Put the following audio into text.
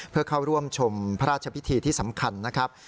เพื่อเข้าร่วมชมพระราชพิธีที่สำคัญนะครับ